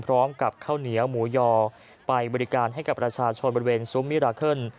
พร้อมกับข้าวเหนียวหมูยอไปบริการให้กับประชาชนบริเวณซุ้มมิราเคิล